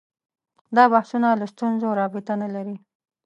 دا بحثونه له ستونزو رابطه نه لري